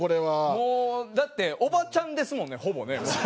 もうだっておばちゃんですもんねほぼね。